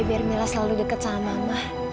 biar mila selalu dekat sama mama